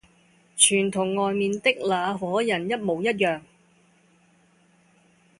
全同外面的那夥人一模一樣。